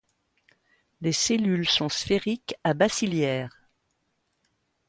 Les cellules sont sphériques à bacillaires.